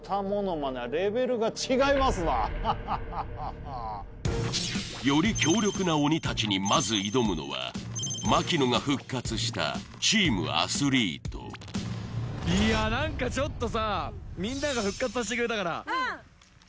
ハハハハハー！より強力な鬼たちにまず挑むのは槙野が復活したチームアスリートいや何かちょっとさうん！えかわいい！